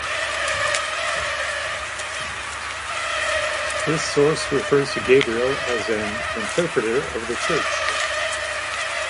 This source refers to Gabriel as an "interpreter of the church".